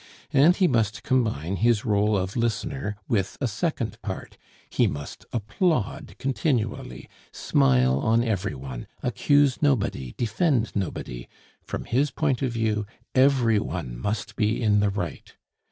And he must combine his role of listener with a second part; he must applaud continually, smile on every one, accuse nobody, defend nobody; from his point of view, every one must be in the right.